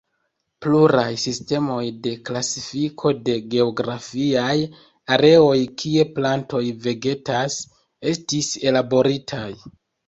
Pluraj sistemoj de klasifiko de geografiaj areoj kie plantoj vegetas, estis ellaboritaj.